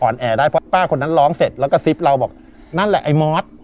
แอร์ได้เพราะป้าคนนั้นร้องเสร็จแล้วก็ซิบเราบอกนั่นแหละไอ้มอส